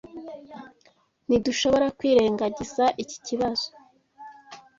Ntidushobora kwirengagiza iki kibazo.